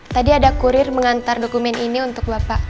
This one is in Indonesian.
tadi ada kurir mengantar dokumen ini untuk bapak